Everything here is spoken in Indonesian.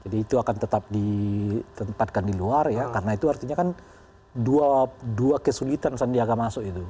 jadi itu akan tetap ditempatkan di luar ya karena itu artinya kan dua kesulitan sandiaga masuk itu